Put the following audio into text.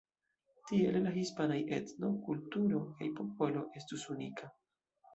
Tiele la hispanaj etno, kulturo kaj popolo estus unika.